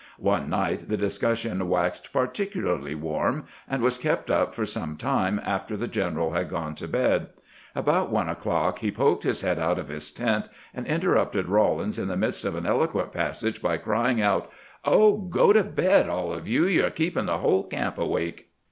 One night the dis cussion waxed particularly warm, and was kept up for some time after the general had gone to bed. About one o'clock he poked his head out of his tent, and inter rupted Rawlins in the midst of an eloquent passage by crying out :" Oh, do go to bed, all of you ! You 're keeping the whole camp awake."